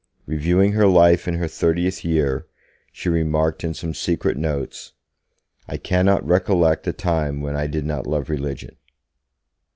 Reviewing her life in her thirtieth year, she remarked in some secret notes: 'I cannot recollect the time when I did not love religion.'